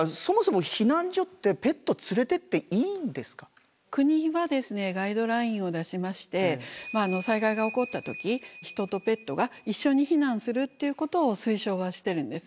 てかそもそも国はガイドラインを出しまして災害が起こった時人とペットが一緒に避難するということを推奨はしてるんです。